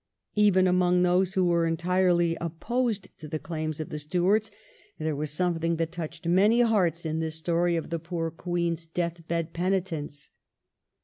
Even among those who were entirely opposed to the claims of the Stuarts 378 THE REIGN OF QUEEN ANNE. oh. xxxix. there was something that touched many hearts in this story of the poor Queen's death bed penitence.